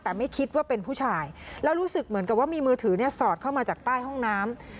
แต่ไม่คิดว่าเป็นผู้ชายแล้วรู้สึกเหมือนกับว่ามีมือถือเนี่ยสอดเข้ามาจากใต้ห้องน้ำ